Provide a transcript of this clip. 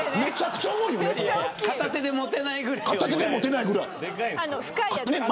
片手で持てないぐらい。